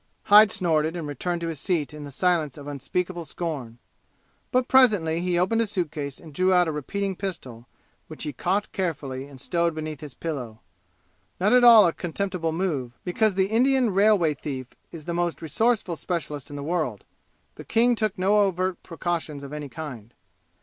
Hyde snorted and returned to his seat in the silence of unspeakable scorn. But presently he opened a suitcase and drew out a repeating pistol which he cocked carefully and stowed beneath his pillow; not at all a contemptible move, because the Indian railway thief is the most resourceful specialist in the world. But King took no overt precautions of any kind.